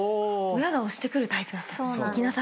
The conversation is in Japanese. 親が押してくるタイプだったんだ。